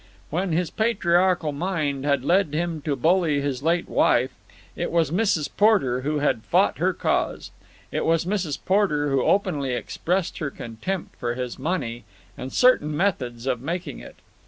When his patriarchal mind had led him to bully his late wife, it was Mrs. Porter who had fought her cause. It was Mrs. Porter who openly expressed her contempt for his money and certain methods of making it.